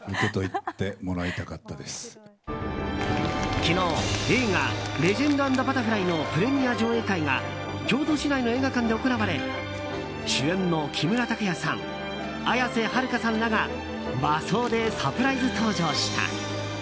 昨日、映画「レジェンド＆バタフライ」のプレミア上映会が京都市内の映画館で行われ主演の木村拓哉さん綾瀬はるかさんらが和装でサプライズ登場した。